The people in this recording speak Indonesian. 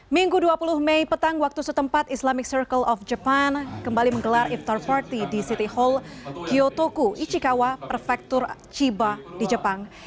minggu dua puluh mei petang waktu setempat islamic circle of japan kembali menggelar iftar party di city hall kyoto ku ichikawa perfektur chiba di jepang